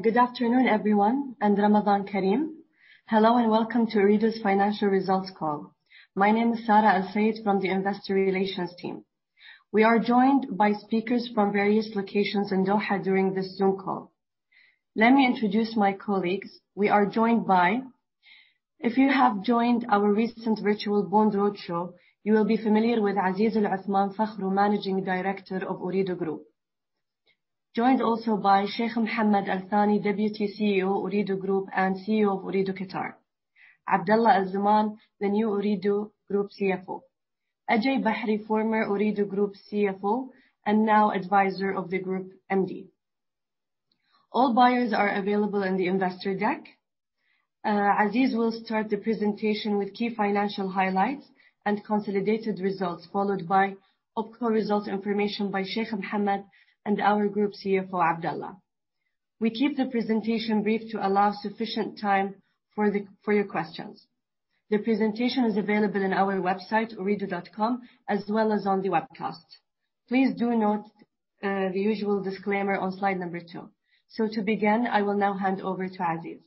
Good afternoon, everyone, and Ramadan Kareem. Hello, and welcome to Ooredoo's financial results call. My name is Sara Al Sayed from the Investor Relations team. We are joined by speakers from various locations in Doha during this Zoom call. Let me introduce my colleagues. We are joined by, if you have joined our recent virtual bond road show, you will be familiar with Aziz Aluthman Fakhroo, Managing Director of Ooredoo Group. Joined also by Sheikh Mohammed Al-Thani, Deputy CEO, Ooredoo Group, and CEO of Ooredoo Qatar. Abdulla Al Zaman, the new Ooredoo Group CFO. Ajay Bahri, former Ooredoo Group CFO, now advisor of the Group MD. All bios are available in the investor deck. Aziz will start the presentation with key financial highlights and consolidated results, followed by OpCo results information by Sheikh Mohammed and our Group CFO, Abdulla. We keep the presentation brief to allow sufficient time for your questions. The presentation is available on our website, ooredoo.com, as well as on the webcast. Please do note the usual disclaimer on slide number two. To begin, I will now hand over to Aziz.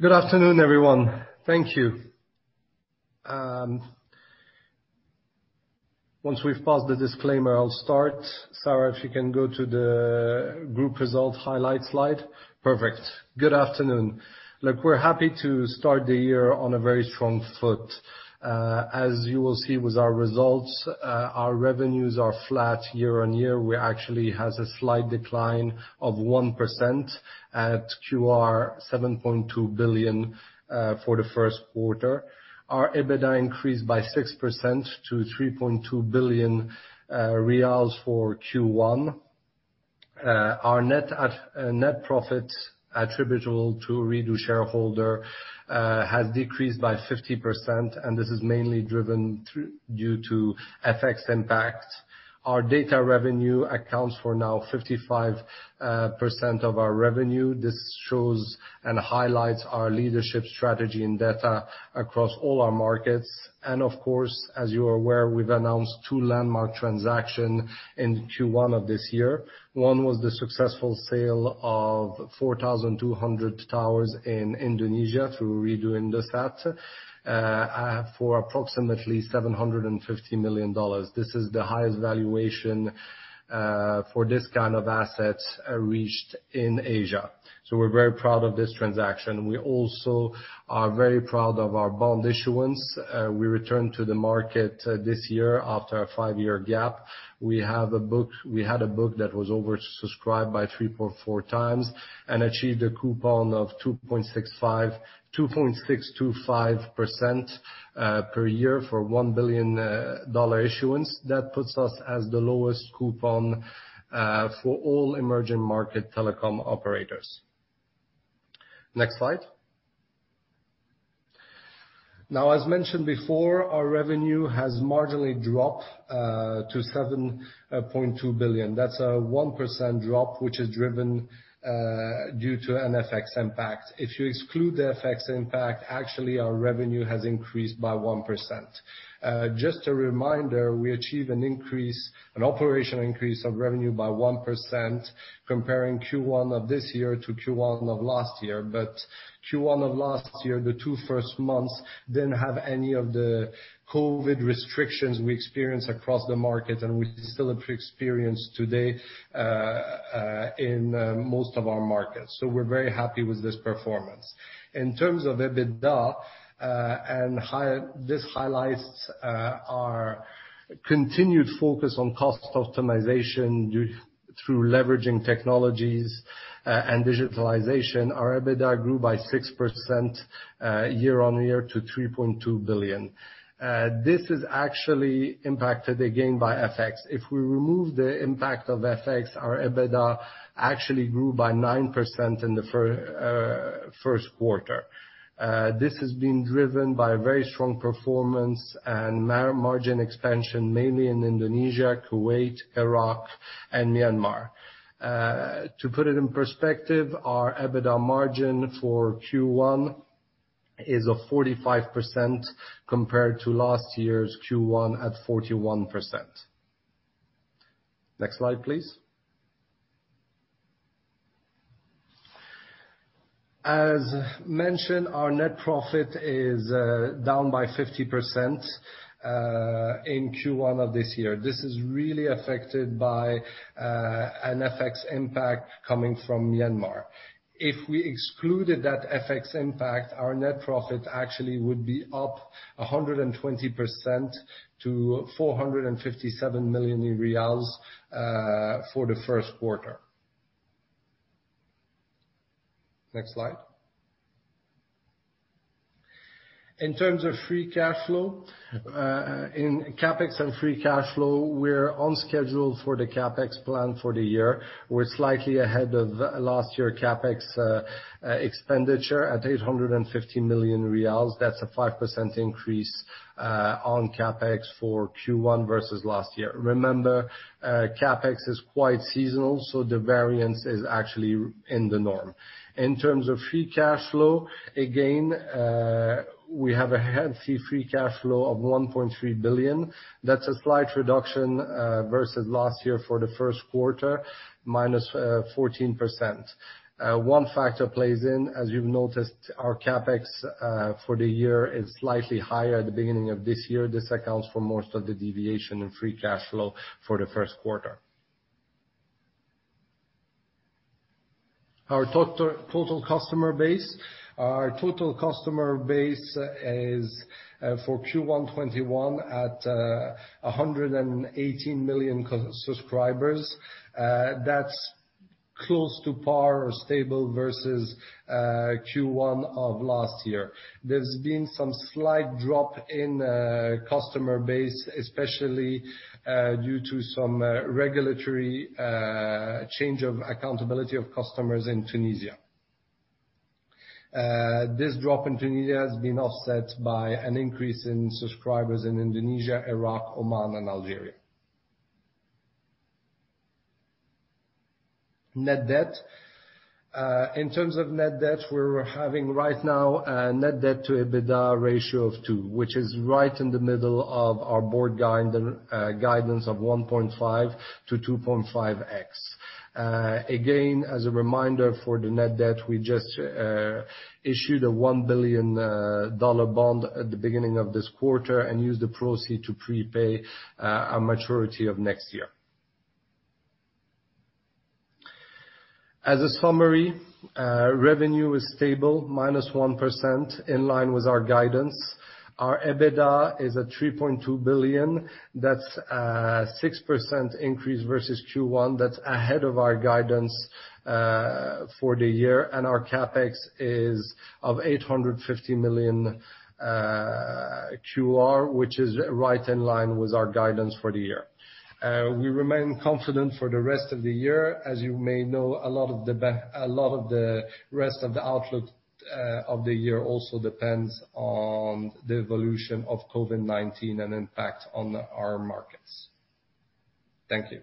Good afternoon, everyone. Thank you. Once we've passed the disclaimer, I'll start. Sara, if you can go to the group result highlights slide. Perfect. Good afternoon. Look, we're happy to start the year on a very strong foot. As you will see with our results, our revenues are flat year-on-year, we actually have a slight decline of 1% at 7.2 billion for the first quarter. Our EBITDA increased by 6% to 3.2 billion riyals for Q1. Our net profit attributable to Ooredoo shareholder has decreased by 50%. This is mainly driven due to FX impact. Our data revenue accounts for now 55% of our revenue. This shows and highlights our leadership strategy in data across all our markets. Of course, as you are aware, we've announced two landmark transactions in Q1 of this year. One was the successful sale of 4,200 towers in Indonesia through Indosat Ooredoo for approximately $750 million. This is the highest valuation for this kind of asset reached in Asia. We're very proud of this transaction. We also are very proud of our bond issuance. We returned to the market this year after a five-year gap. We had a book that was oversubscribed by 3.4x and achieved a coupon of 2.625% per year for a $1 billion issuance. That puts us as the lowest coupon for all emerging market telecom operators. Next slide. As mentioned before, our revenue has marginally dropped to 7.2 billion. That's a 1% drop, which is driven due to an FX impact. If you exclude the FX impact, actually, our revenue has increased by 1%. Just a reminder, we achieved an operational increase of revenue by 1%, comparing Q1 of this year to Q1 of last year. Q1 of last year, the two first months didn't have any of the COVID-19 restrictions we experience across the market, and we still experience today in most of our markets. We're very happy with this performance. In terms of EBITDA, this highlights our continued focus on cost optimization through leveraging technologies and digitalization, our EBITDA grew by 6% year-on-year to 3.2 billion. This is actually impacted again by FX. If we remove the impact of FX, our EBITDA actually grew by 9% in the first quarter. This has been driven by a very strong performance and margin expansion, mainly in Indonesia, Kuwait, Iraq, and Myanmar. To put it in perspective, our EBITDA margin for Q1 is 45% compared to last year's Q1 at 41%. Next slide, please. As mentioned, our net profit is down by 50% in Q1 of this year. This is really affected by an FX impact coming from Myanmar. If we excluded that FX impact, our net profit actually would be up 120% to 457 million for the first quarter. Next slide. In terms of free cash flow, in CapEx and free cash flow, we're on schedule for the CapEx plan for the year. We're slightly ahead of last year's CapEx expenditure at 850 million riyals. That's a 5% increase on CapEx for Q1 versus last year. Remember, CapEx is quite seasonal. The variance is actually in the norm. In terms of free cash flow, again, we have a healthy free cash flow of 1.3 billion. That's a slight reduction versus last year for the first quarter, -14%. One factor plays in, as you've noticed, our CapEx for the year is slightly higher at the beginning of this year. This accounts for most of the deviation in free cash flow for the first quarter. Our total customer base is, for Q1 2021, at 118 million subscribers. That's close to par or stable versus Q1 of last year. There's been some slight drop in customer base, especially due to some regulatory change of accountability of customers in Tunisia. This drop in Tunisia has been offset by an increase in subscribers in Indonesia, Iraq, Oman, and Algeria. Net debt. In terms of net debt, we're having right now a net debt to EBITDA ratio of two, which is right in the middle of our board guidance of 1.5x-2.5x. As a reminder for the net debt, we just issued a $1 billion bond at the beginning of this quarter and used the proceeds to prepay our maturity of next year. As a summary, revenue is stable, minus 1%, in line with our guidance. Our EBITDA is at 3.2 billion. That's a 6% increase versus Q1. That's ahead of our guidance for the year, and our CapEx is of 850 million, which is right in line with our guidance for the year. We remain confident for the rest of the year. As you may know, a lot of the rest of the outlook of the year also depends on the evolution of COVID-19 and impact on our markets. Thank you.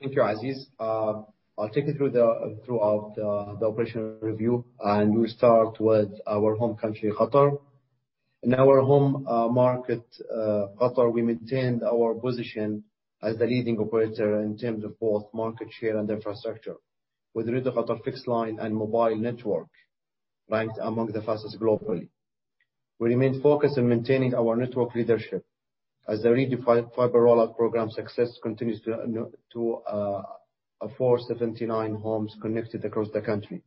Thank you, Aziz. I'll take you throughout the operational review, we'll start with our home country, Qatar. In our home market, Qatar, we maintained our position as the leading operator in terms of both market share and infrastructure, with Ooredoo Qatar fixed line and mobile network ranked among the fastest globally. We remain focused on maintaining our network leadership as the redefined fiber rollout program success continues to afford 79 homes connected across the country.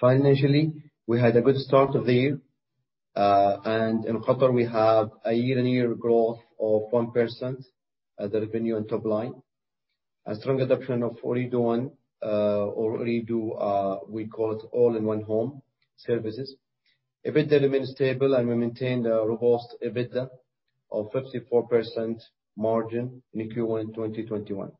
Financially, we had a good start of the year, in Qatar we have a year-on-year growth of 1% at the revenue and top line. A strong adoption of Ooredoo ONE, or Ooredoo, we call it, All-in-One home services. EBITDA remains stable, we maintained a robust EBITDA of 54% margin in Q1 2021.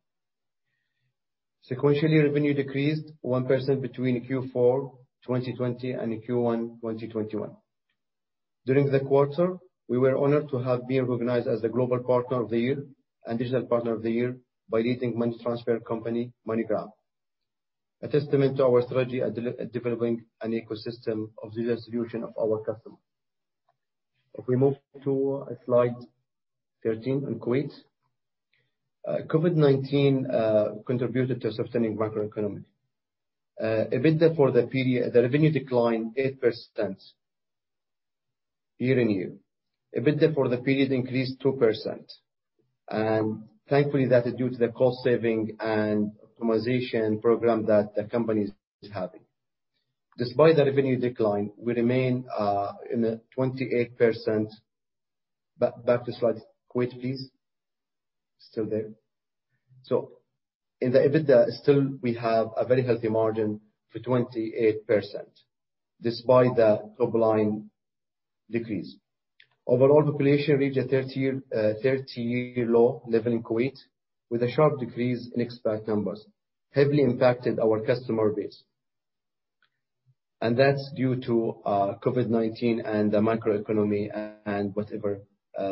Sequentially, revenue decreased 1% between Q4 2020 and Q1 2021. During the quarter, we were honored to have been recognized as the Global Partner of the Year and Digital Partner of the Year by leading money transfer company, MoneyGram. A testament to our strategy at developing an ecosystem of digital solution of our customer. We move to slide 13 on Kuwait. COVID-19 contributed to a straining macro economy. The revenue declined 8% year-on-year. EBITDA for the period increased 2%, thankfully, that is due to the cost saving and optimization program that the company is having. Despite the revenue decline, we remain in a 28% Back to slide Kuwait, please. Still there. In the EBITDA still we have a very healthy margin for 28%, despite the top-line decrease. Overall population reached a 30-year low level in Kuwait, with a sharp decrease in expat numbers, heavily impacted our customer base. That's due to COVID-19 and the microeconomy and whatever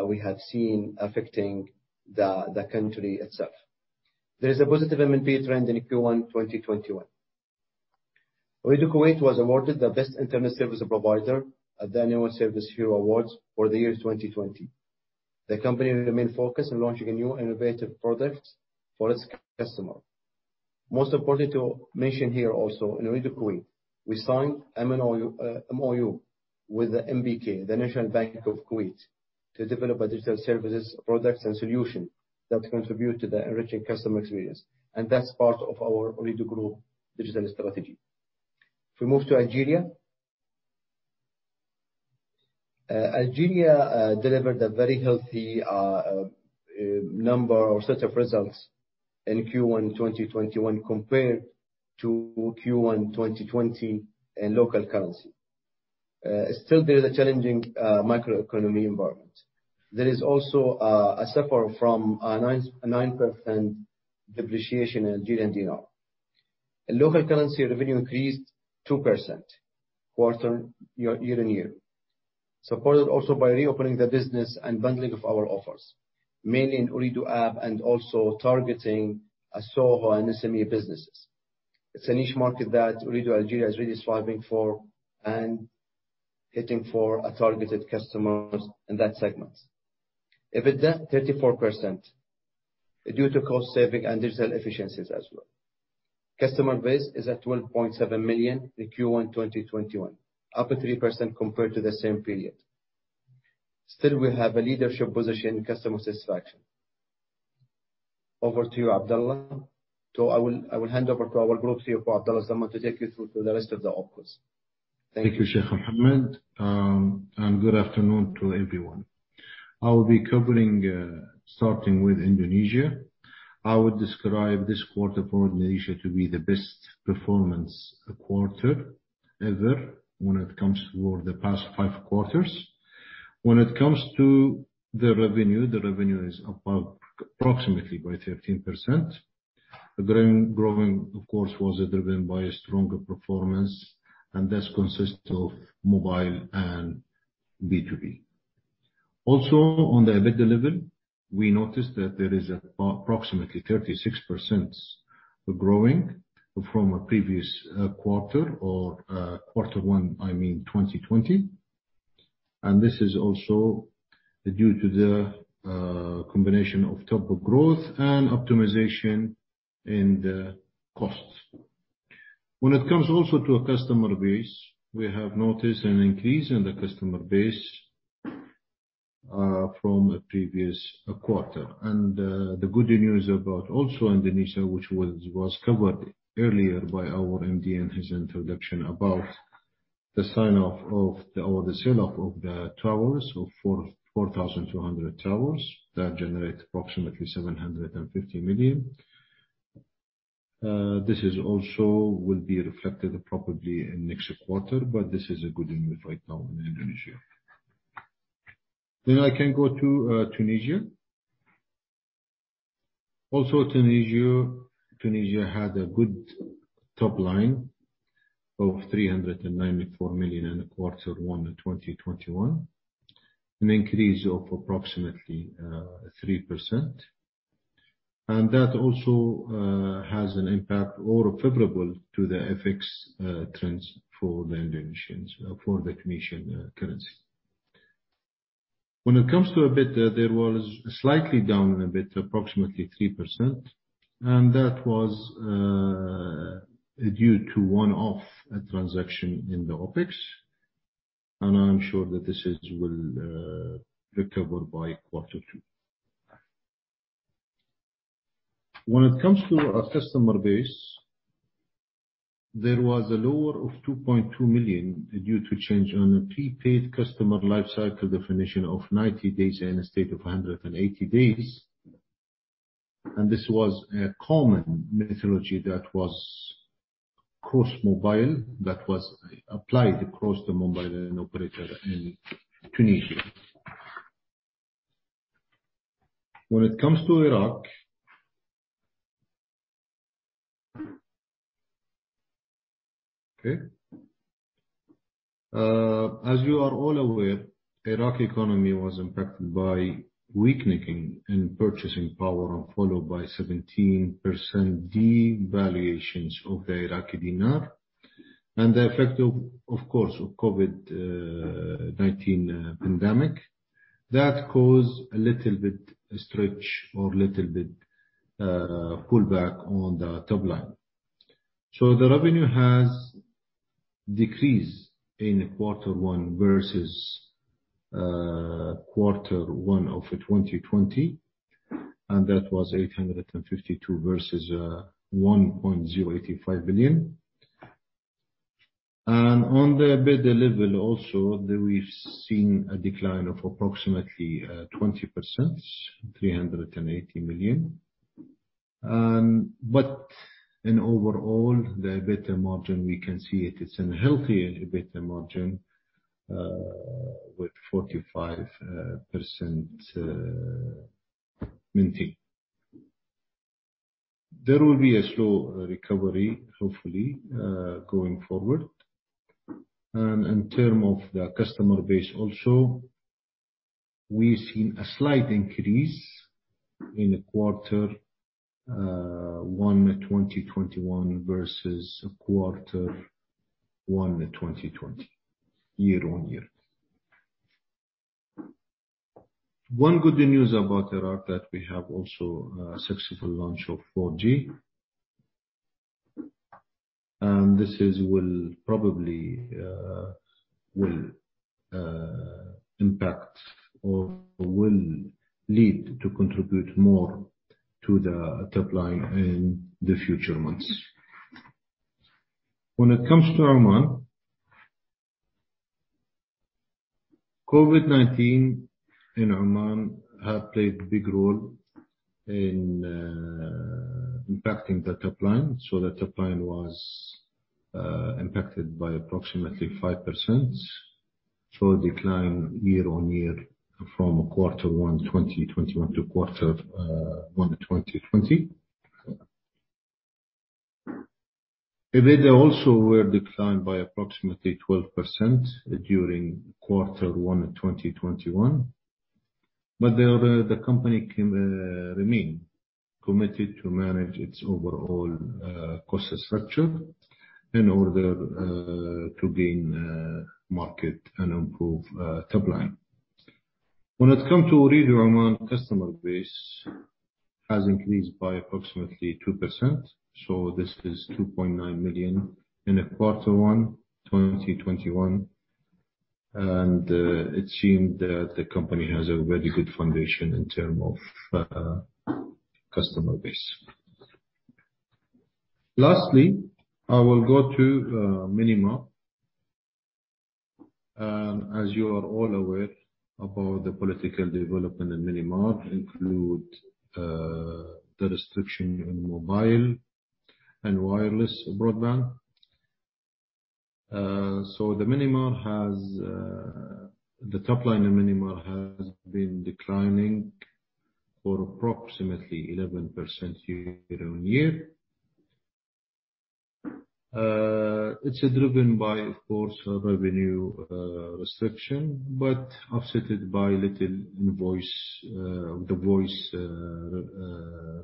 we have seen affecting the country itself. There is a positive MNP trend in Q1 2021. Ooredoo Kuwait was awarded the Best Internet Service Provider at the Annual Service Hero Awards for the year 2020. The company remain focused on launching a new innovative product for its customer. Most important to mention here also in Ooredoo Kuwait, we signed MoU with the NBK, the National Bank of Kuwait, to develop a digital services product and solution that contribute to the enriching customer experience. That's part of our Ooredoo Group digital strategy. If we move to Algeria. Algeria delivered a very healthy number or set of results in Q1 2021 compared to Q1 2020 in local currency. Still there is a challenging microeconomy environment. There is also a suffer from a 9% depreciation in Algerian dinar. Local currency revenue increased 2% quarter-on-year, supported also by reopening the business and bundling of our offers, mainly in Ooredoo app and also targeting a SOHO and SME businesses. It's a niche market that Ooredoo Algeria is really striving for and hitting for a targeted customers in that segment. EBITDA 34% due to cost saving and digital efficiencies as well. Customer base is at 12.7 million in Q1 2021, up 3% compared to the same period. We have a leadership position in customer satisfaction. Over to you, Abdulla Zaman. I will hand over to our Group CFO, Abdulla Zaman, to take you through the rest of the operations. Thank you. Thank you, Sheikh Mohammed, and good afternoon to everyone. I will be covering, starting with Indonesia. I would describe this quarter for Indonesia to be the best performance quarter ever when it comes to the past five quarters. When it comes to the revenue, the revenue is up approximately by 13%. The growing, of course, was driven by a stronger performance, and this consists of mobile and B2B. On the EBIT level, we noticed that there is approximately 36% growing from a previous quarter or quarter one, I mean 2020. This is also due to the combination of top of growth and optimization in the costs. When it comes also to a customer base, we have noticed an increase in the customer base from a previous quarter. The good news about also Indonesia, which was covered earlier by our MD in his introduction about the sell-off of the towers. 4,200 towers that generate approximately $750 million. This is also will be reflected probably in next quarter, but this is a good news right now in Indonesia. I can go to Tunisia. Tunisia had a good top line of 394 million in quarter one in 2021, an increase of approximately 3%. That also has an impact or favorable to the FX trends for the Tunisians, for the Tunisian currency. When it comes to EBITDA, there was slightly down in EBITDA, approximately 3%, and that was due to one-off transaction in the OpEx. I'm sure that this will recover by quarter two. When it comes to our customer base, there was a lower of 2.2 million due to change on a prepaid customer life cycle definition of 90 days instead of 180 days. This was a common methodology that was across mobile, that was applied across the mobile operator in Tunisia. When it comes to Iraq, okay. As you are all aware, Iraqi economy was impacted by weakening in purchasing power and followed by 17% devaluations of the IQD. The effect of course, of COVID-19 pandemic, that caused a little bit stretch or little bit pullback on the top line. The revenue has decreased in quarter one versus quarter one of 2020, and that was 852 versus 1.085 billion. On the EBITDA level also, we've seen a decline of approximately 20%, 380 million. Overall, the EBITDA margin, we can see it's a healthy EBITDA margin, with 45% maintain. There will be a slow recovery, hopefully, going forward. In terms of the customer base also, we've seen a slight increase in quarter one 2021 versus quarter one 2020, year-on-year. One good news about Iraq that we have also a successful launch of 4G. This will probably will impact or will lead to contribute more to the top line in the future months. When it comes to Oman, COVID-19 in Oman have played a big role in impacting the top line. The top line was impacted by approximately 5%, so decline year-on-year from quarter one 2021 to quarter one 2020. EBITDA also were declined by approximately 12% during quarter one in 2021. The company remain committed to manage its overall cost structure in order to gain market and improve top line. When it comes to Ooredoo Oman customer base has increased by approximately 2%. This is 2.9 million in quarter one 2021. It seemed that the company has a very good foundation in term of customer base. Lastly, I will go to Myanmar. As you are all aware about the political development in Myanmar include the restriction in mobile and wireless broadband. The top line in Myanmar has been declining for approximately 11% year-on-year. It's driven by, of course, revenue restriction, but offset it by little the voice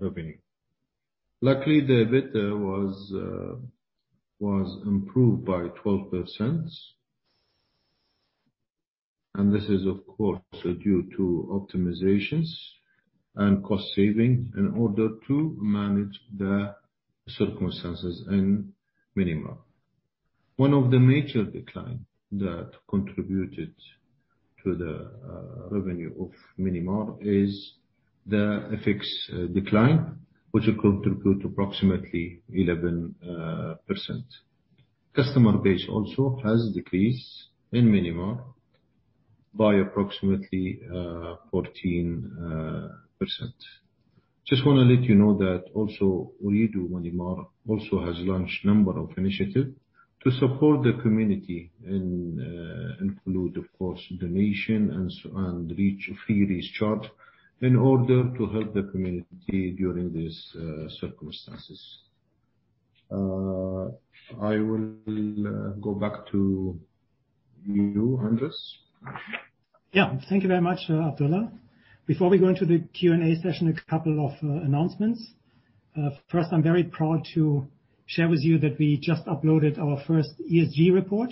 revenue. Luckily, the EBITDA was improved by 12%. This is, of course, due to optimizations and cost saving in order to manage the circumstances in Myanmar. One of the major decline that contributed to the revenue of Myanmar is the FX decline, which contribute approximately 11%. Customer base also has decreased in Myanmar by approximately 14%. Ooredoo Myanmar also has launched number of initiative to support the community and include, of course, donation and reach fee recharged in order to help the community during these circumstances. I will go back to you, Andreas. Thank you very much, Abdulla. Before we go into the Q&A session, a couple of announcements. I'm very proud to share with you that we just uploaded our first ESG report.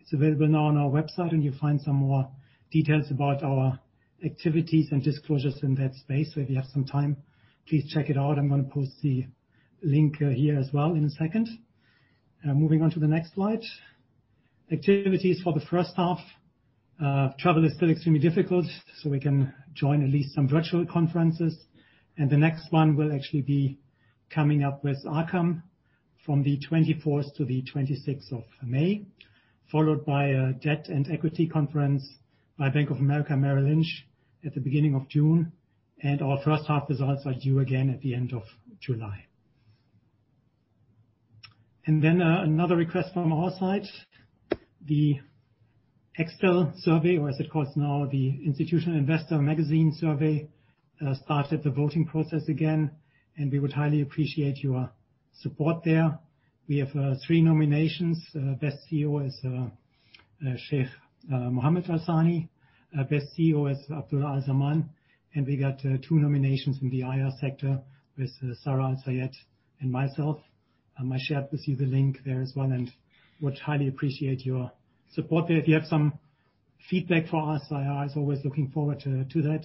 It's available now on our website. You'll find some more details about our activities and disclosures in that space. If you have some time, please check it out. I'm going to post the link here as well in a second. Moving on to the next slide. Activities for the first half. Travel is still extremely difficult. We can join at least some virtual conferences. The next one will actually be coming up with Arqaam from the 24th to the 26th of May, followed by a debt and equity conference by Bank of America Merrill Lynch at the beginning of June. Our first half results are due again at the end of July. Another request from our side, the Extel survey, or as it calls now, the Institutional Investor Magazine survey, started the voting process again, and we would highly appreciate your support there. We have three nominations. Best CEO is Sheikh Mohammed Al-Thani, Best CEO is Abdulla Al-Zaman, and we got two nominations in the IR sector with Sara Al Sayed and myself. I shared with you the link there as well, and would highly appreciate your support there. If you have some feedback for us, IR is always looking forward to that,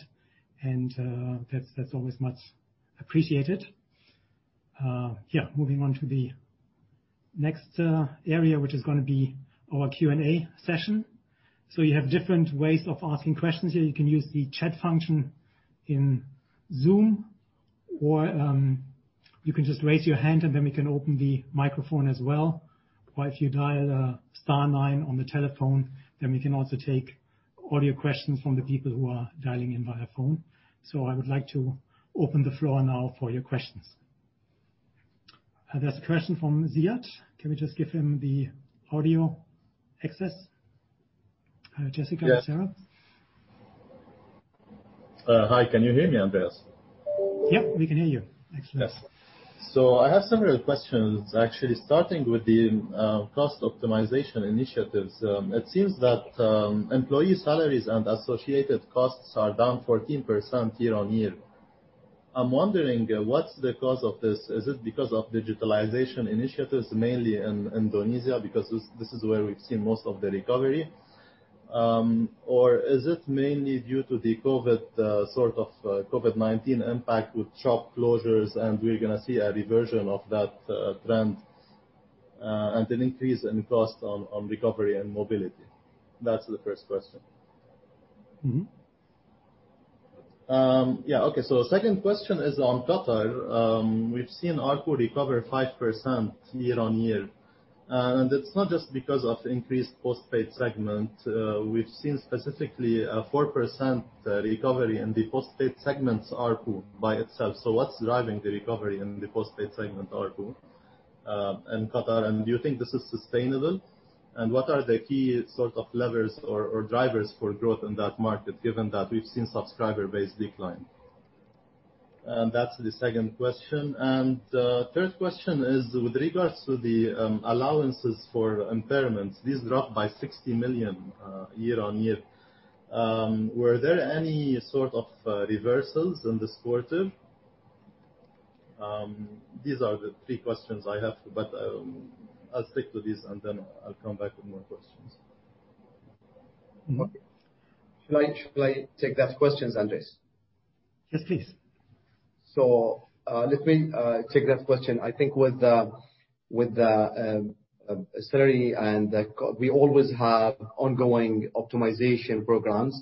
and that's always much appreciated. Moving on to the next area, which is going to be our Q&A session. You have different ways of asking questions here. You can use the chat function in Zoom or you can just raise your hand and then we can open the microphone as well. If you dial the star nine on the telephone, we can also take audio questions from the people who are dialing in via phone. I would like to open the floor now for your questions. There's a question from Ziad. Can we just give him the audio access? Jessica or Sara? Yes. Hi, can you hear me, Andreas Goldau? Yeah, we can hear you. Excellent. Yes. I have several questions actually starting with the cost optimization initiatives. It seems that employee salaries and associated costs are down 14% year-on-year. I'm wondering what's the cause of this. Is it because of digitalization initiatives, mainly in Indonesia? This is where we've seen most of the recovery. Or is it mainly due to the COVID-19 impact with shop closures, and we're going to see a reversion of that trend, and an increase in cost on recovery and mobility? That's the first question. Okay. Second question is on Qatar. We've seen ARPU recover 5% year-over-year. It's not just because of increased postpaid segment. We've seen specifically a 4% recovery in the postpaid segment ARPU by itself. What's driving the recovery in the postpaid segment ARPU in Qatar, do you think this is sustainable? What are the key sort of levers or drivers for growth in that market, given that we've seen subscriber base decline? That's the second question. Third question is with regards to the allowances for impairments. These dropped by 60 million year-over-year. Were there any sort of reversals in this quarter? These are the three questions I have, but I'll stick to these and then I'll come back with more questions. Okay. Should I take that question, Andreas? Yes, please. Let me take that question. We always have ongoing optimization programs,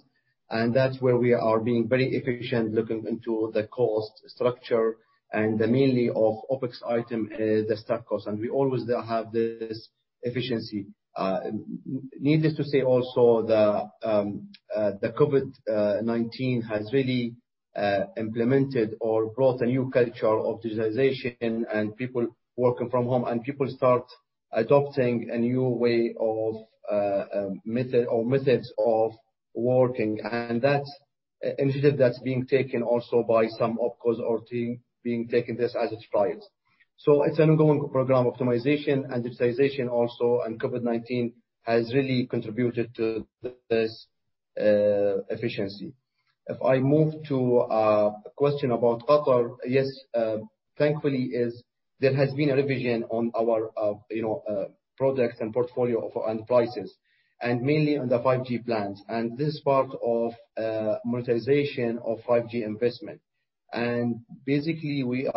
and that's where we are being very efficient, looking into the cost structure and mainly of OpEx item, the staff cost, and we always have this efficiency. Needless to say also, the COVID-19 has really implemented or brought a new culture of digitization and people working from home, and people start adopting a new method or methods of working. That's initiative that's being taken also by some OpCos or team being taken this as it trials. It's an ongoing program, optimization and digitization also. COVID-19 has really contributed to this efficiency. If I move to question about Qatar. Yes, thankfully there has been a revision on our products and portfolio and prices, and mainly on the 5G plans. This is part of monetization of 5G investment. Basically we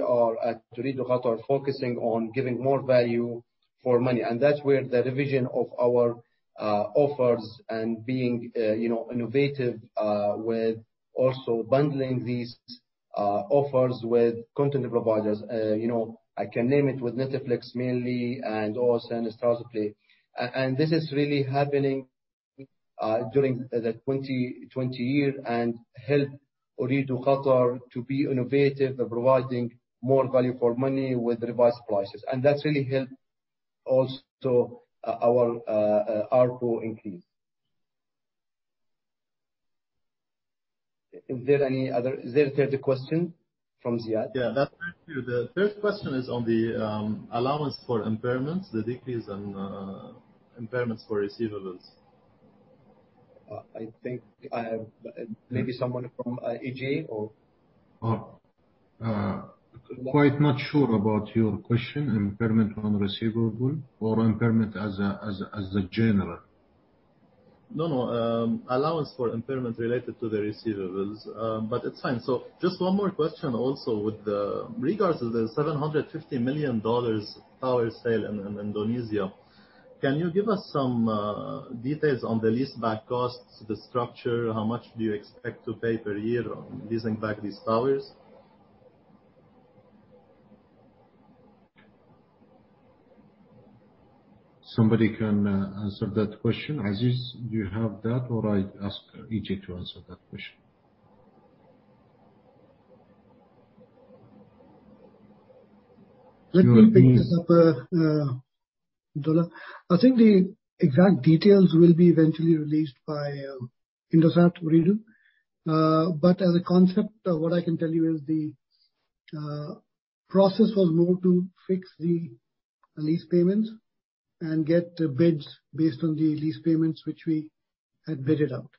are at Ooredoo Qatar focusing on giving more value for money. That's where the revision of our offers and being innovative with also bundling these offers with content providers. I can name it with Netflix mainly and also StarzPlay. This is really happening during 2020 and help Ooredoo Qatar to be innovative providing more value for money with revised prices. That's really helped also our ARPU increase. Is there a third question from Ziad? Yeah. Thank you. The third question is on the allowance for impairments, the decrease on impairments for receivables. I think maybe someone from Ajay or? Quite not sure about your question, impairment on receivable or impairment as a general. No, no, allowance for impairment related to the receivables. It's fine. Just one more question. Also, with regards to the $750 million tower sale in Indonesia, can you give us some details on the leaseback costs, the structure? How much do you expect to pay per year on leasing back these towers? Somebody can answer that question. Aziz, do you have that? I ask Ajay to answer that question. Let me pick this up, Abdulla. I think the exact details will be eventually released by Indosat Ooredoo. As a concept, what I can tell you is the process was more to fix the lease payment and get the bids based on the lease payments which we had bidded out.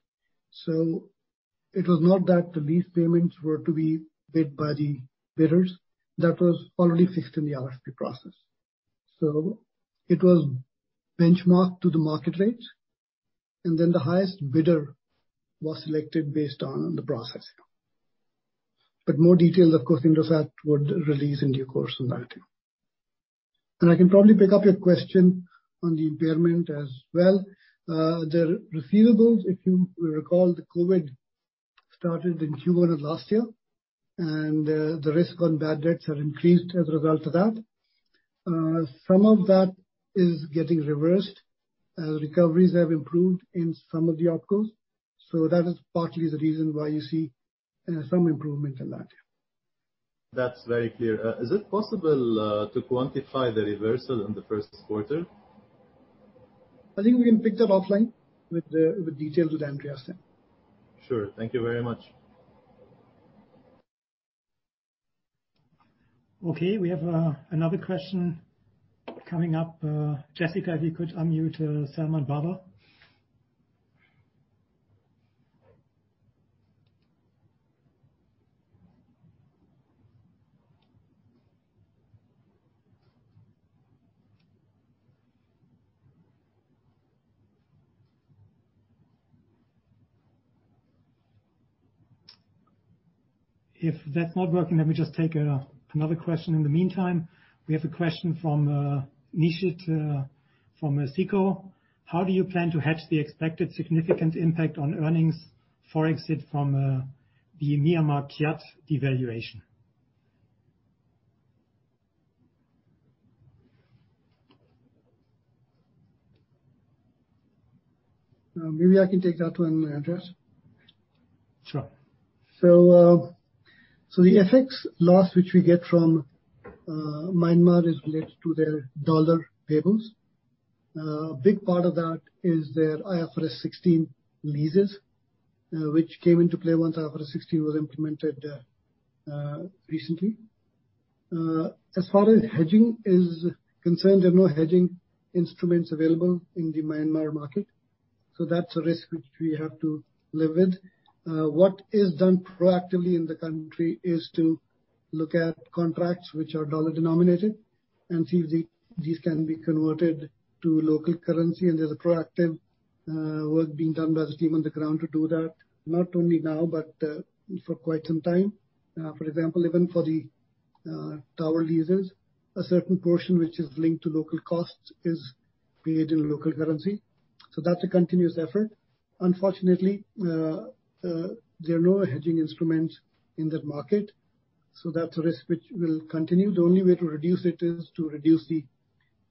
It was not that the lease payments were to be bid by the bidders. That was already fixed in the RFP process. It was benchmarked to the market rate, and then the highest bidder was selected based on the process. More detail, of course, Indosat would release in due course on that. I can probably pick up your question on the impairment as well. The receivables, if you recall, the COVID-19 started in Q1 of last year, and the risk on bad debts have increased as a result of that. Some of that is getting reversed as recoveries have improved in some of the OpCos. That is partly the reason why you see some improvement in that. That's very clear. Is it possible to quantify the reversal in the first quarter? I think we can pick that offline with details with Andreas. Sure. Thank you very much. Okay, we have another question coming up. Jessica, if you could unmute Salman Baba. If that's not working, let me just take another question in the meantime. We have a question from Nishit from SICO. How do you plan to hedge the expected significant impact on earnings for exit from the Myanmar Kyat devaluation? Maybe I can take that one, Andreas. Sure. The FX loss, which we get from Myanmar is related to their dollar payables. A big part of that is their IFRS 16 leases, which came into play once IFRS 16 was implemented recently. As far as hedging is concerned, there are no hedging instruments available in the Myanmar market. That's a risk which we have to live with. What is done proactively in the country is to look at contracts which are dollar-denominated and see if these can be converted to local currency. There's proactive work being done by the team on the ground to do that, not only now, but for quite some time. For example, even for the tower leases, a certain portion which is linked to local costs is paid in local currency. That's a continuous effort. Unfortunately, there are no hedging instruments in that market, that's a risk which will continue. The only way to reduce it is to reduce the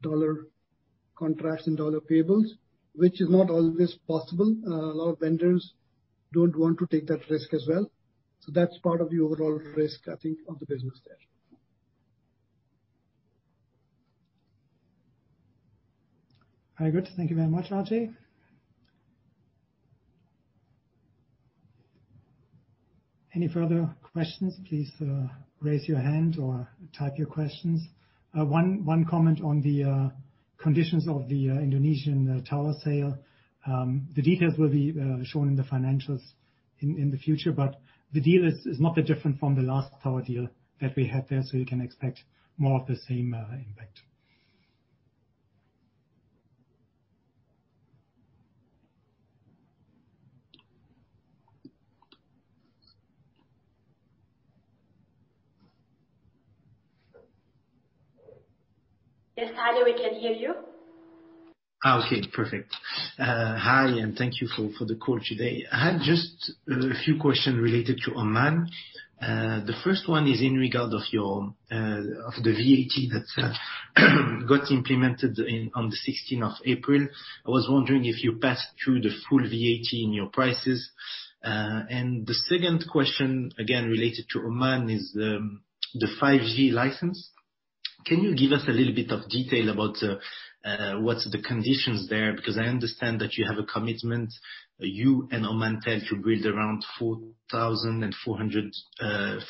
dollar contracts and dollar payables, which is not always possible. A lot of vendors don't want to take that risk as well. That's part of the overall risk, I think, of the business there. Very good. Thank you very much, Ajay. Any further questions, please raise your hand or type your questions. One comment on the conditions of the Indonesian tower sale. The details will be shown in the financials in the future, but the deal is not that different from the last tower deal that we had there, so you can expect more of the same impact. Yes, Tyler, we can hear you. Okay, perfect. Hi, and thank you for the call today. I had just a few questions related to Oman. The first one is in regard of the VAT that got implemented on the 16th of April. I was wondering if you passed through the full VAT in your prices. The second question, again, related to Oman, is the 5G license. Can you give us a little bit of detail about what's the conditions there? I understand that you have a commitment, you and Omantel, to build around 4,400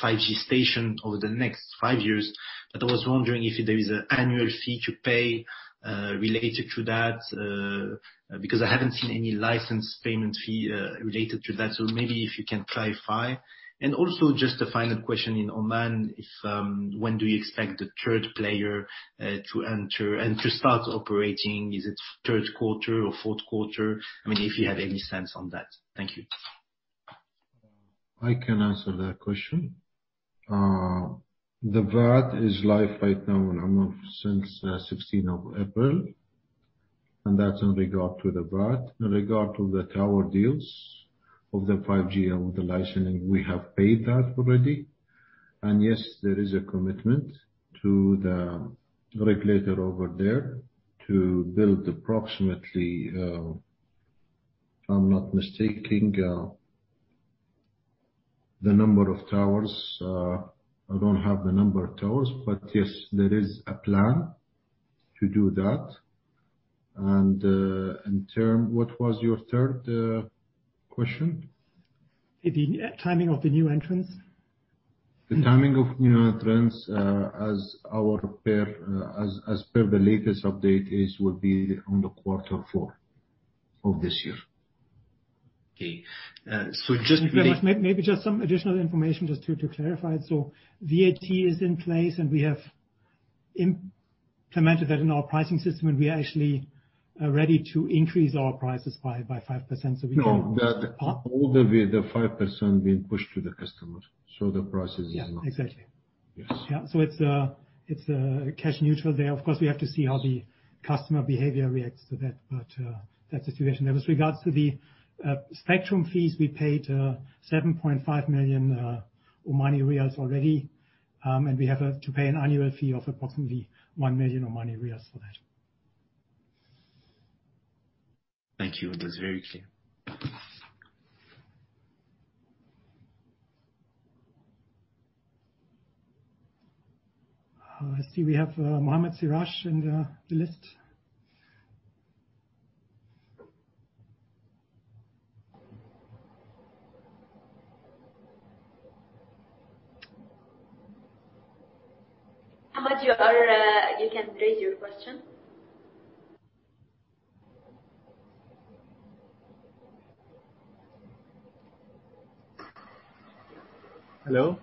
5G stations over the next five years. I was wondering if there is an annual fee to pay related to that, because I haven't seen any license payment fee related to that. Maybe if you can clarify. Also, just a final question in Oman. When do you expect the third player to enter and to start operating? Is it third quarter or fourth quarter? If you have any sense on that. Thank you. I can answer that question. The VAT is live right now in Oman since 16 of April. That's in regard to the VAT. In regard to the tower deals of the 5G and the licensing, we have paid that already. Yes, there is a commitment to the regulator over there to build approximately, if I'm not mistaking, the number of towers. I don't have the number of towers, but yes, there is a plan to do that. In term, what was your third question? The timing of the new entrants. The timing of new entrants, as per the latest update, will be on the quarter four of this year. Maybe just some additional information just to clarify. VAT is in place, and we have implemented that in our pricing system, and we are actually ready to increase our prices by 5%. No. The 5% being pushed to the customer. The price is. Yeah, exactly. Yes. Yeah. It's cash neutral there. Of course, we have to see how the customer behavior reacts to that, but that's the situation there. With regards to the spectrum fees, we paid OMR 7.5 million already. We have to pay an annual fee of approximately OMR 1 million for that. Thank you. That's very clear. I see we have Mohammed Siraj in the list. Mohammed, you can raise your question. Hello?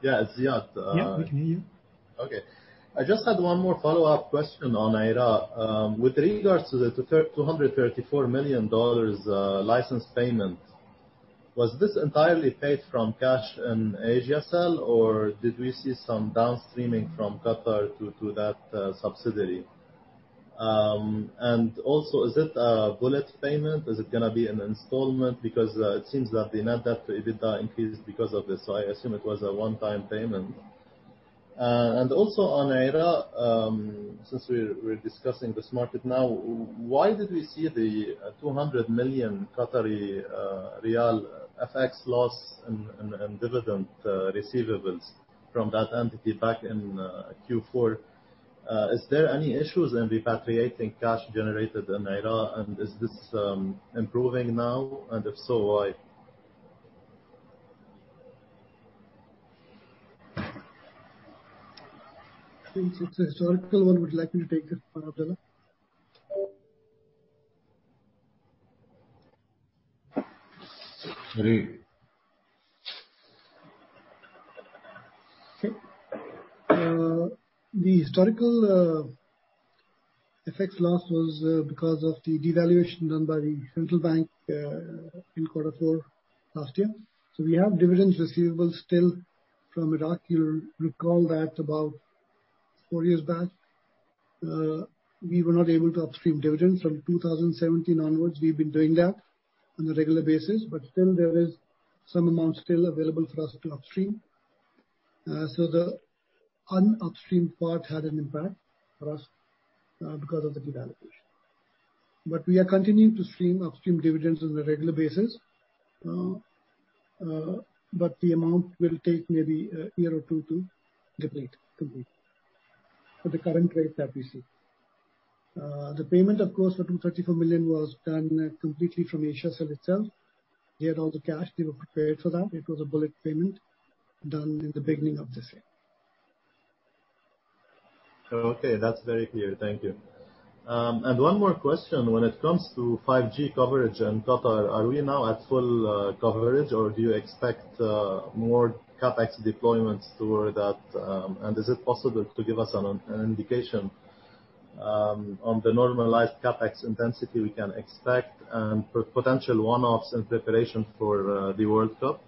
Yeah, it's Ziad. Yeah, we can hear you. I just had one more follow-up question on Iraq. With regards to the QAR 234 million license payment, was this entirely paid from cash in Asiacell, or did we see some downstreaming from Qatar to that subsidiary? Is it a bullet payment? Is it going to be an installment? It seems that the net debt to EBITDA increased because of this, so I assume it was a one-time payment. On Iraq, since we're discussing this market now, why did we see the 200 million FX loss and dividend receivables from that entity back in Q4? Is there any issues in repatriating cash generated in Iraq? Is this improving now, and if so, why? Since it's a historical one, would you like me to take it, Abdulla? Sure. The historical effects loss was because of the devaluation done by the central bank in quarter four last year. We have dividends receivable still from Iraq. You'll recall that about four years back, we were not able to upstream dividend. From 2017 onwards, we've been doing that on a regular basis, but still there is some amount still available for us to upstream. The un-upstream part had an impact for us because of the devaluation. We are continuing to upstream dividends on a regular basis. The amount will take maybe a year or two to deplete completely with the current rates that we see. The payment, of course, for 234 million was done completely from Ooredoo itself. They had all the cash. They were prepared for that. It was a bullet payment done in the beginning of this year. Okay. That's very clear. Thank you. One more question. When it comes to 5G coverage in Qatar, are we now at full coverage, or do you expect more CapEx deployments toward that? Is it possible to give us an indication on the normalized CapEx intensity we can expect, and potential one-offs in preparation for the World Cup?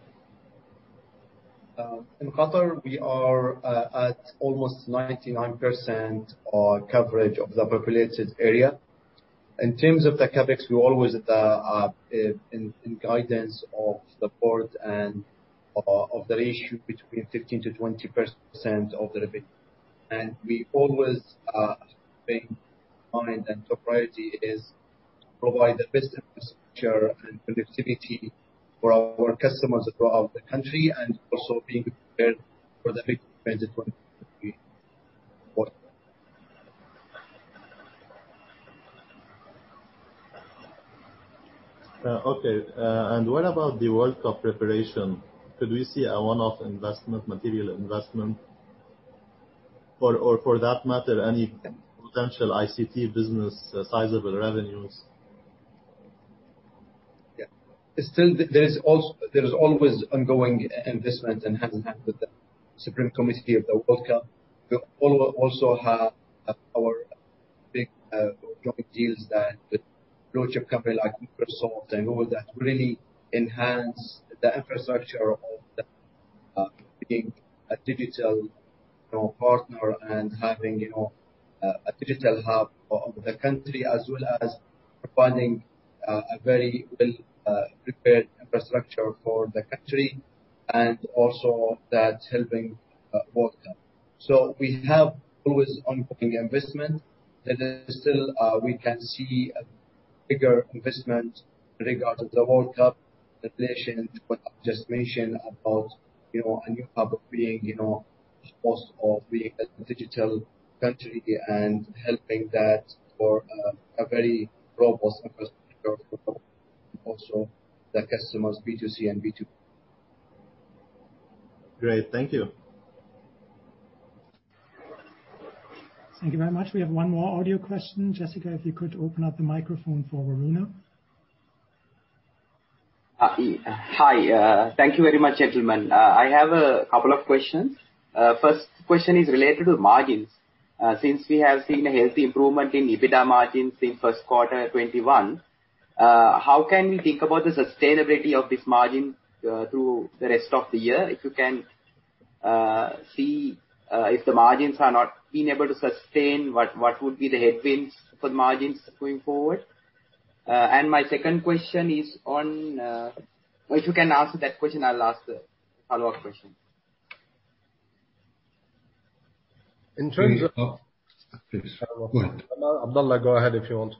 In Qatar, we are at almost 99% coverage of the populated area. In terms of the CapEx, we're always in guidance of the board and of the ratio between 15%-20% of the revenue. We always have been mind and top priority is to provide the best infrastructure and connectivity for our customers throughout the country, and also being prepared for the big event in 2023, FIFA World Cup. Okay. What about the World Cup preparation? Could we see a one-off investment, material investment, or for that matter, any potential ICT business sizable revenues? Yeah. There is always ongoing investment hand in hand with the Supreme Committee for Delivery & Legacy of the FIFA World Cup. We also have our big joint deals with blue-chip company like Microsoft and Google that really enhance the infrastructure of being a digital partner and having a digital hub of the country, as well as providing a very well-prepared infrastructure for the country, and also that's helping FIFA World Cup. We have always ongoing investment. There is still, we can see a bigger investment in regard of the FIFA World Cup preparation. What I've just mentioned about a new hub being possible, being a digital country and helping that for a very robust infrastructure for also the customers, B2C and B2B. Great. Thank you. Thank you very much. We have one more audio question. Jessica, if you could open up the microphone for Varuna. Hi. Thank you very much, gentlemen. I have a couple of questions. First question is related to margins. Since we have seen a healthy improvement in EBITDA margins in first quarter 2021, how can we think about the sustainability of this margin through the rest of the year? If you can see if the margins are not been able to sustain, what would be the headwinds for margins going forward? If you can answer that question, I'll ask the follow-up question. In terms of Please, go ahead. Abdulla, go ahead if you want.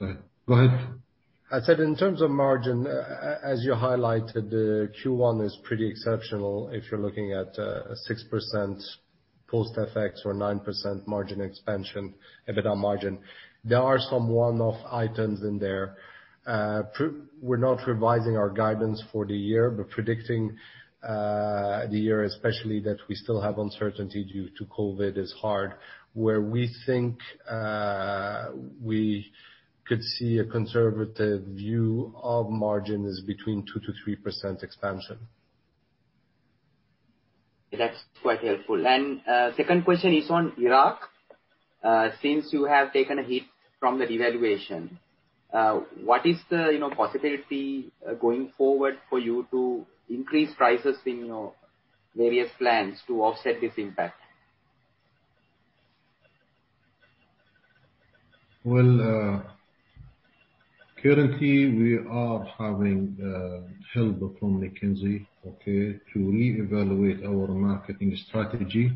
Go ahead. I said, in terms of margin, as you highlighted, Q1 is pretty exceptional if you're looking at 6% post effects or 9% margin expansion, EBITDA margin. There are some one-off items in there. We're not revising our guidance for the year. Predicting the year especially that we still have uncertainty due to COVID-19 is hard, where we think we could see a conservative view of margin is between 2%-3% expansion. That's quite helpful. Second question is on Iraq. Since you have taken a hit from the devaluation, what is the possibility going forward for you to increase prices in your various plans to offset this impact? Well, currently we are having help from McKinsey, okay, to reevaluate our marketing strategy.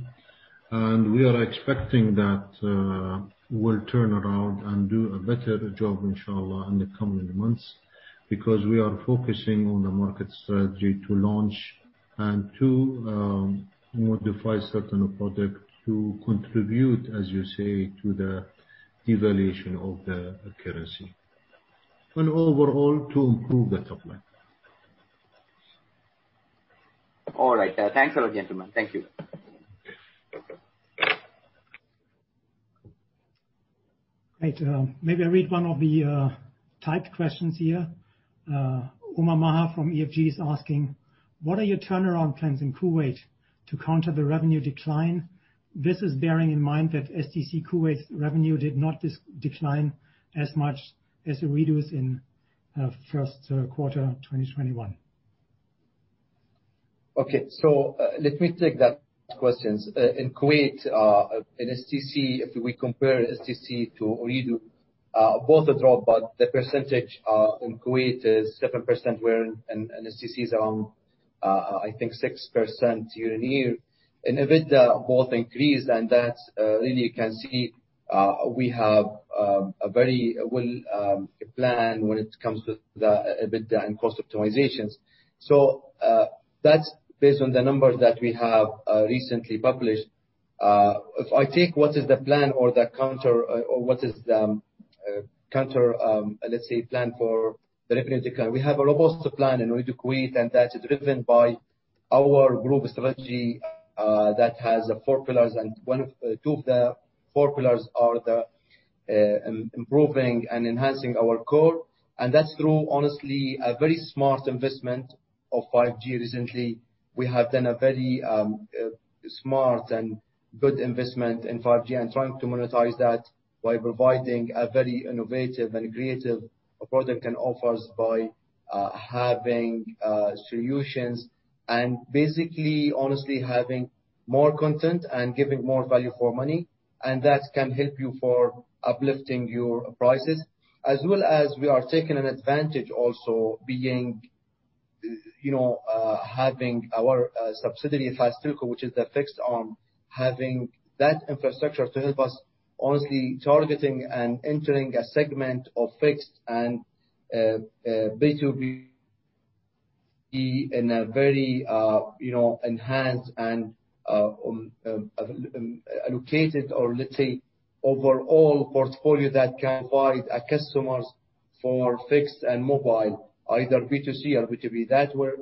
We are expecting that we'll turn around and do a better job, inshallah, in the coming months, because we are focusing on the market strategy to launch and to modify certain products to contribute, as you say, to the devaluation of the currency. Overall, to improve the top line. All right. Thanks a lot, gentlemen. Thank you. Great. Maybe I read one of the typed questions here. Omar Maher from EFG is asking: what are your turnaround plans in Kuwait to counter the revenue decline? This is bearing in mind that stc Kuwait's revenue did not decline as much as Ooredoo's in first quarter 2021. Let me take that question. In Kuwait, if we compare stc to Ooredoo, both drop, but the percentage in Kuwait is 7% and stc is around, I think 6% year-on-year. In EBITDA, both increased and that really you can see we have a very well plan when it comes to the EBITDA and cost optimizations. That's based on the numbers that we have recently published. If I take what is the plan or the counter, or what is the counter, let's say, plan for the revenue decline. We have a robust plan in Ooredoo Kuwait, and that's driven by our group strategy that has four pillars and two of the four pillars are the improving and enhancing our core. That's through, honestly, a very smart investment of 5G recently. We have done a very smart and good investment in 5G and trying to monetize that by providing a very innovative and creative product and offers by having solutions and basically, honestly, having more content and giving more value for money. That can help you for uplifting your prices. As well as we are taking an advantage also having our subsidiary, FASTtelco, which is the fixed arm, having that infrastructure to help us, honestly, targeting and entering a segment of fixed and B2B in a very enhanced and allocated or let's say overall portfolio that can provide our customers for fixed and mobile, either B2C or B2B. That were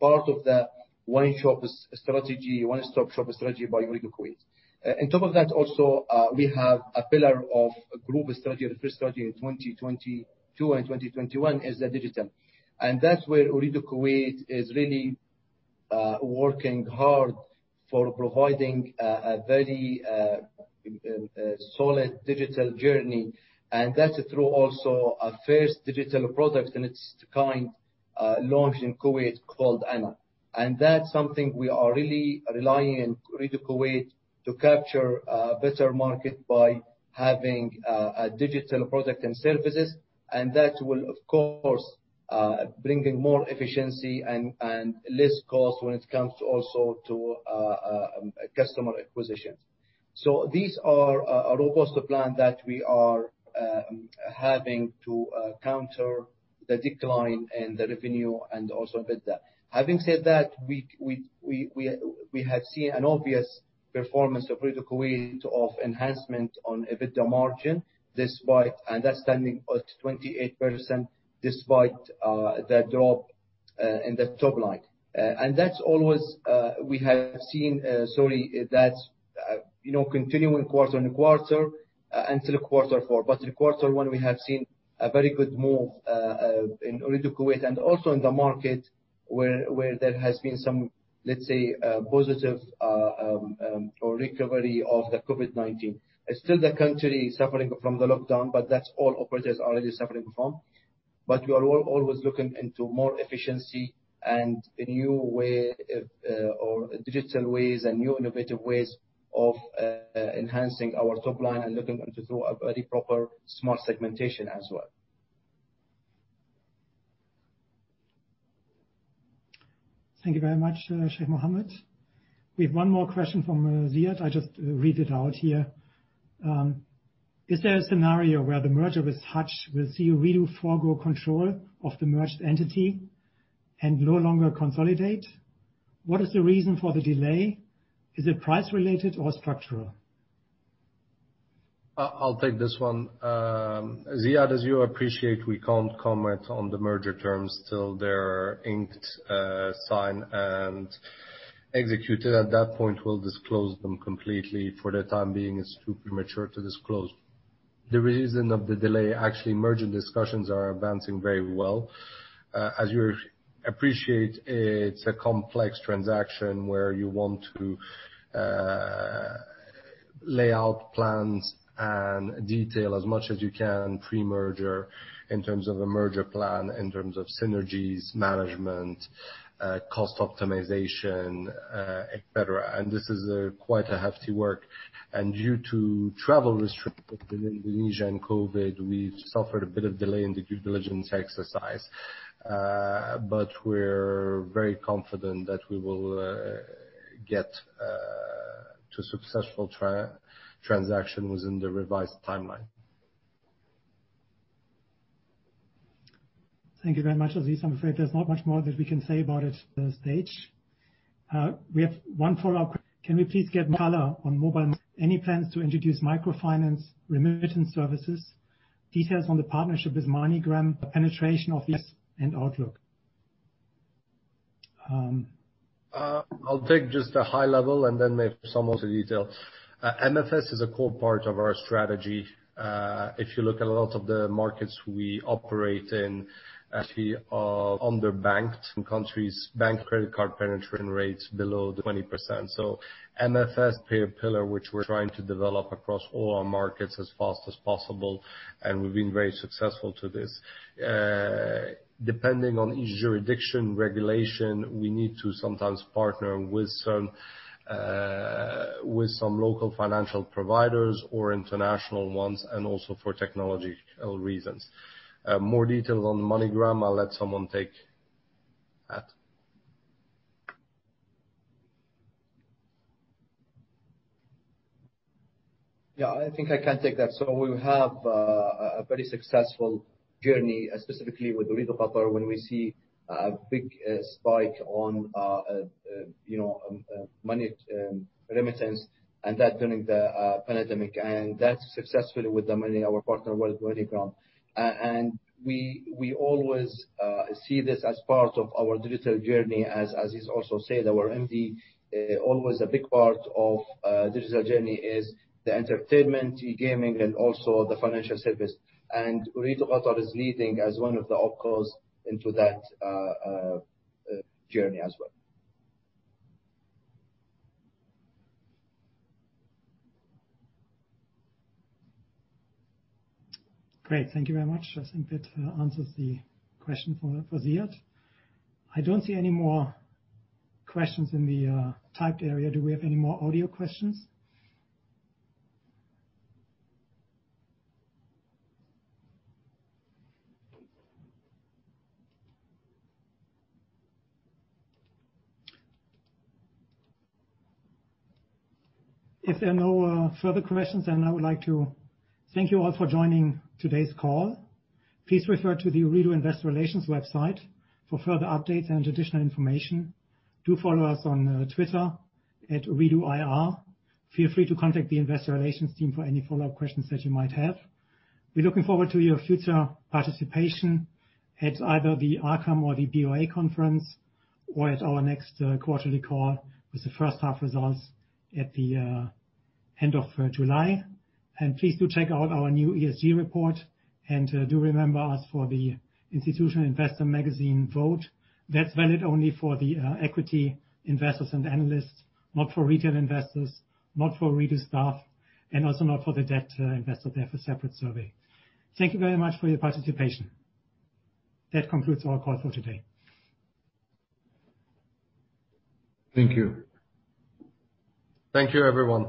part of the one-stop-shop strategy by Ooredoo Kuwait. On top of that also, we have a pillar of group strategy, refresh strategy in 2022 and 2021 is the digital. That's where Ooredoo Kuwait is really working hard for providing a very solid digital journey. That's through also a first digital product in its kind, launched in Kuwait called Ana. That's something we are really relying on Ooredoo Kuwait to capture a better market by having a digital product and services. That will of course, bringing more efficiency and less cost when it comes also to customer acquisitions. These are a robust plan that we are having to counter the decline in the revenue and also EBITDA. Having said that, we have seen an obvious performance of Ooredoo Kuwait of enhancement on EBITDA margin, and that's standing at 28% despite the drop in the top line. That's always we have seen, sorry, that continuing quarter-on-quarter until quarter four. In quarter one, we have seen a very good move in Ooredoo Kuwait and also in the market where there has been some, let's say, positive or recovery of the COVID-19. Still the country is suffering from the lockdown, but that all operators are already suffering from. We are always looking into more efficiency and a new way or digital ways and new innovative ways of enhancing our top line and looking to do a very proper smart segmentation as well. Thank you very much, Sheikh Mohammed. We have one more question from Ziad. I just read it out here. Is there a scenario where the merger with Hutch will see Ooredoo forego control of the merged entity and no longer consolidate? What is the reason for the delay? Is it price related or structural? I'll take this one. Ziad, as you appreciate, we can't comment on the merger terms till they're inked, signed, and executed. At that point, we'll disclose them completely. For the time being, it's too premature to disclose. The reason of the delay, actually, merger discussions are advancing very well. As you appreciate, it's a complex transaction where you want to lay out plans and detail as much as you can pre-merger in terms of a merger plan, in terms of synergies, management, cost optimization, et cetera. This is quite a hefty work. Due to travel restrictions in Indonesia and COVID, we've suffered a bit of delay in the due diligence exercise. We're very confident that we will get to successful transaction within the revised timeline. Thank you very much, Aziz. I'm afraid there's not much more that we can say about it at this stage. We have one follow-up. Can we please get color on mobile? Any plans to introduce microfinance remittance services? Details on the partnership with MoneyGram, the penetration of this and outlook. I'll take just a high level and then maybe someone to detail. MFS is a core part of our strategy. If you look at a lot of the markets we operate in, actually are underbanked. In countries, bank credit card penetration rates below 20%. MFS pillar, which we're trying to develop across all our markets as fast as possible, and we've been very successful to this. Depending on each jurisdiction regulation, we need to sometimes partner with some local financial providers or international ones, and also for technological reasons. More details on MoneyGram, I'll let someone take that. Yeah, I think I can take that. We have a very successful journey, specifically with Ooredoo Qatar, when we see a big spike on money remittance and that during the pandemic. That's successfully with our partner, MoneyGram. We always see this as part of our digital journey. As he's also said, our MD, always a big part of digital journey is the entertainment, eGaming, and also the financial service. Ooredoo Qatar is leading as one of the OpCos into that journey as well. Great. Thank you very much. I think that answers the question for Ziad. I don't see any more questions in the typed area. Do we have any more audio questions? If there are no further questions, I would like to thank you all for joining today's call. Please refer to the Ooredoo investor relations website for further updates and additional information. Do follow us on Twitter at Ooredoo IR. Feel free to contact the Investor Relations team for any follow-up questions that you might have. We're looking forward to your future participation at either the Arqaam or the BofA conference or at our next quarterly call with the first half results at the end of July. Please do check out our new ESG report and do remember us for the Institutional Investor vote. That is valid only for the equity investors and analysts, not for retail investors, not for Ooredoo staff, and also not for the debt investors. They have a separate survey. Thank you very much for your participation. That concludes our call for today. Thank you. Thank you, everyone.